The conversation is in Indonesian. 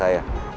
saya tidak tahu